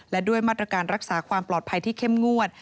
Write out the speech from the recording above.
และด้วยมาตรการรักษาความปลอดภัยที่เข้มงวด